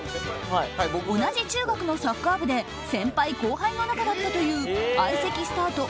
同じ中学のサッカー部で先輩・後輩の仲だったという相席スタート